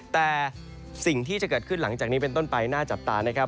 แต่สิ่งที่จะเกิดขึ้นหลังจากนี้เป็นต้นไปน่าจับตานะครับ